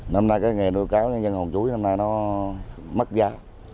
nó mất giá